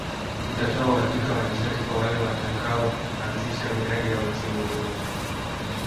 Utatoa uhakika wa nishati kwa wale watakaoanzisha miradi yao nchini humo